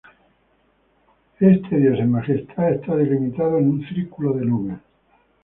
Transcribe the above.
Este Dios en Majestad está delimitado en un círculo de nubes.